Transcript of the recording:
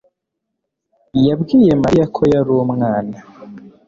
yabwiye mariya ko yari umwana